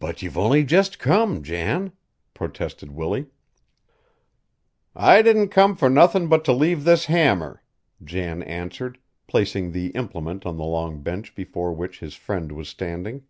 "But you've only just come, Jan," protested Willie. "I didn't come fur nothin' but to leave this hammer," Jan answered, placing the implement on the long bench before which his friend was standing.